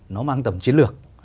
nó mang tầm chiến lược